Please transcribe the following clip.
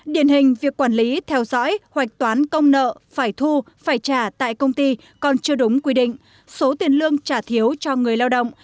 điển hình việc quản lý theo dõi hoạch toán công nợ phải thu phải trả tại công ty còn chưa đúng quy định số tiền lương trả thiếu cho người lao động